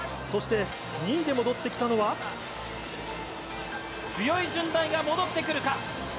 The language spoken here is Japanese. そして、２位で戻ってきたの強い順大が戻ってくるか。